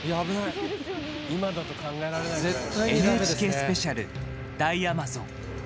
「ＮＨＫスペシャル大アマゾン」。